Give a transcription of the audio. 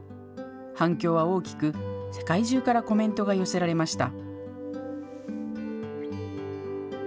反響は大きく、世界中からコメントが寄せられました。